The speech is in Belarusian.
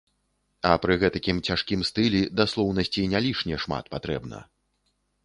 А пры гэтакім цяжкім стылі даслоўнасці не лішне шмат патрэбна.